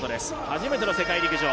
初めての世界陸上。